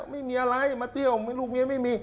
ไม่มีอะไรมาเที่ยวลูกเมียไม่มี